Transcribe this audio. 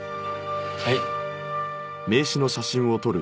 はい。